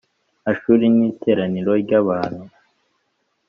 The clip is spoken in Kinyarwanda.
Ashuri n iteraniro ry abantu